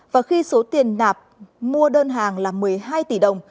và khi số tiền nạp mua đơn hàng là một mươi hai tỷ đồng